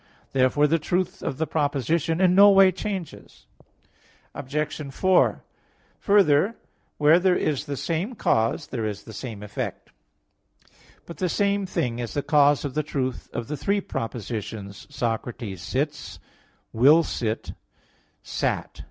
Therefore the truth of the proposition in no way changes. Obj. 4: Further, where there is the same cause, there is the same effect. But the same thing is the cause of the truth of the three propositions, "Socrates sits, will sit, sat."